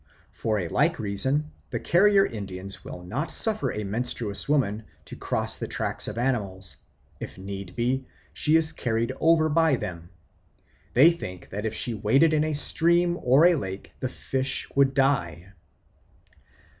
For a like reason the Carrier Indians will not suffer a menstruous woman to cross the tracks of animals; if need be, she is carried over them. They think that if she waded in a stream or a lake, the fish would die.